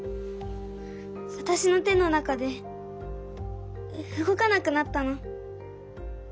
わたしの手の中でうごかなくなったの。